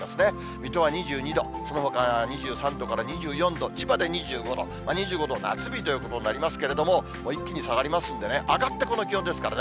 水戸は２２度、そのほかは２３度から２４度、千葉で２５度、２５度、夏日ということになりますけれども、一気に下がりますんでね、上がってこの気温ですからね。